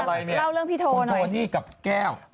แต่โทนี่กับแก้ว